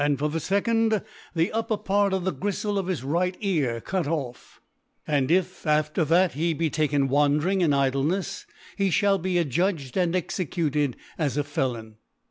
for the fccond, the upper Part of the Griftle of his right Ear cut off \ and * Chap. 4. if if after that he be taken wandering in Icfle ncfs, (^c. he (hall be adjudged and executed & a Felon.